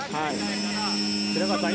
寺川さん